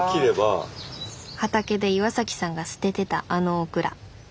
畑で岩さんが捨ててたあのオクラ。